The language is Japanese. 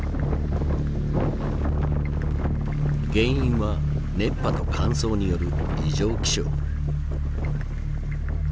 原因は熱波と乾燥による異常気象。